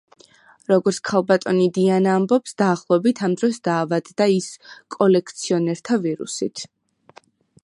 როგორც ქალბატონი დაიანა ამბობს, დაახლოებით ამ დროს დაავადდა ის კოლექციონერთა ვირუსით.